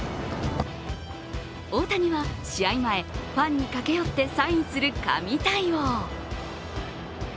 大谷は試合前、ファンに駆け寄ってサインする神対応。